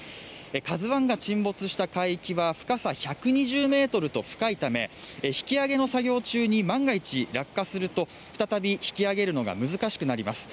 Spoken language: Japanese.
「ＫＡＺＵⅠ」が沈没した海域は深さ１２０ｍと深いため引き揚げの作業中に万が一落下すると再び引き揚げるのが難しくなります。